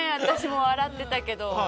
私も笑ってたけど。